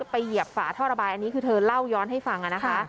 เหยียบฝาท่อระบายอันนี้คือเธอเล่าย้อนให้ฟังนะคะ